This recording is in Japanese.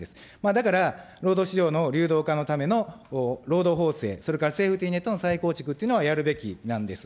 だから、労働市場の流動化のための労働法制、それからセーフティーネットの再構築っていうのをやるべきなんです。